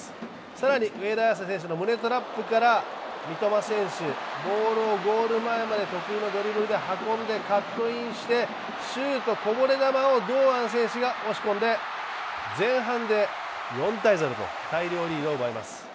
更に上田綺世選手の胸トラップから三笘選手、ボールをゴール前まで得意のドリブルでカットインしてシュートこぼれ球を堂安選手が押し込んで前半で４−０と、大量リードを奪います。